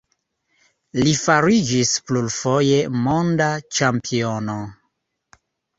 Li fariĝis plurfoje monda ĉampiono.